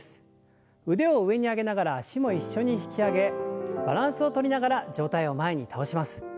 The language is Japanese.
腕を上に上げながら脚も一緒に引き上げバランスをとりながら上体を前に倒します。